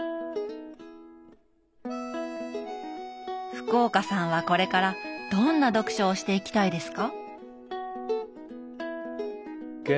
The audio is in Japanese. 福岡さんはこれからどんな読書をしていきたいですか？